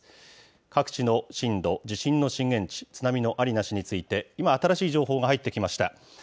各地の震度、地震の震源地、津波のありなしについて、今、新しい情報が入ってきました。